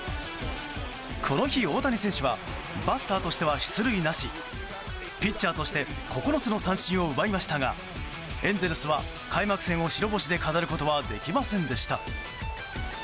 この日、大谷選手はバッターとしては出塁なしピッチャーとして９つの三振を奪いましたがエンゼルスは開幕戦を白星で飾ることはできませんでした。